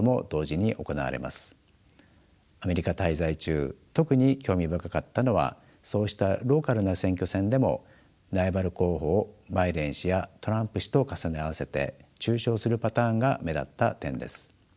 アメリカ滞在中特に興味深かったのはそうしたローカルな選挙戦でもライバル候補をバイデン氏やトランプ氏と重ね合わせて中傷するパターンが目立った点です。